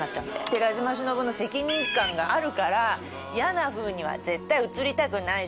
寺島しのぶの責任感があるから嫌なふうには絶対映りたくないし。